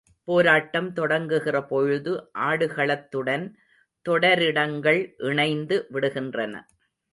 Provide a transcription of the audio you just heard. போராட்டம் தொடங்குகிறபொழுது, ஆடுகளத்துடன் தொடரிடங்கள் இணைந்து விடுகின்றன.